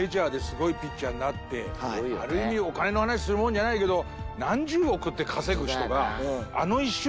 ある意味お金の話するもんじゃないけど。